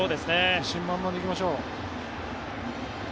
自信満々で行きましょう。